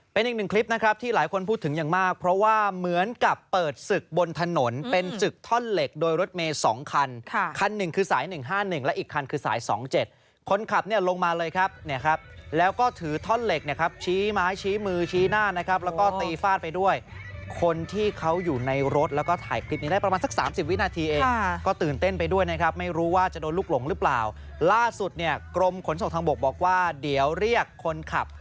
เป็นอีกหนึ่งคลิปนะครับที่หลายคนพูดถึงอย่างมากเพราะว่าเหมือนกับเปิดสึกบนถนนเป็นสึกท่อนเหล็กโดยรถเมสองคันคันหนึ่งคือสายหนึ่งห้าหนึ่งและอีกคันคือสายสองเจ็ดคนขับเนี่ยลงมาเลยครับเนี่ยครับแล้วก็ถือท่อนเหล็กเนี่ยครับชี้ไม้ชี้มือชี้หน้านะครับแล้วก็ตีฟาดไปด้วยคนที่เขาอยู่ในรถแล้วก็ถ่ายคลิป